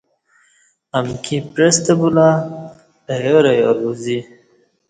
امکی پعستہ بولہ ایارایار روزی